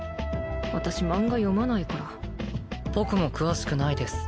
私マンガ読まないから僕も詳しくないです